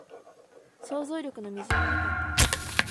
想像力の微塵もなかった